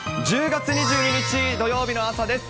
１０月２２日土曜日の朝です。